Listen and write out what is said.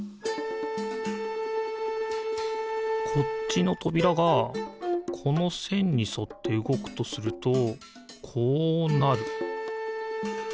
こっちのとびらがこのせんにそってうごくとするとこうなる。